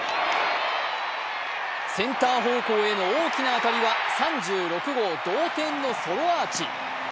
センター方向への大きな当たりは３６号同点のソロアーチ。